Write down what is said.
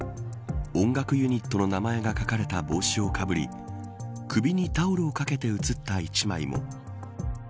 音楽ユニットの名前が書かれた帽子をかぶり首にタオルをかけて写った１枚も。